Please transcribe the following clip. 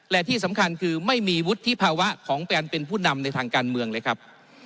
และที่สำคัญคือไม่มีวุฒิภาวะของการเป็นผู้นำในทางการเมืองเลยครับ